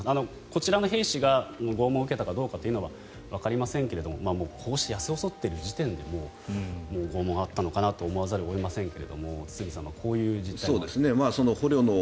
こちらの兵士が拷問を受けたかどうかはわかりませんがこうしてやせ細っている時点で拷問があったのかなと思わざるを得ませんが堤さん、こういう実態が。